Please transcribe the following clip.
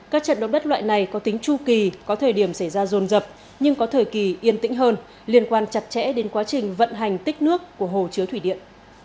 các trận động đất loại này có tính tru kỳ có thời điểm xảy ra rồn rập nhưng có thời kỳ yên tĩnh hơn liên quan chặt chẽ đến quá trình vận hành tích nước của hồ chứa thủy điện